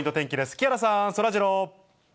木原さん、そらジロー。